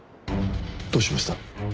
どうしました？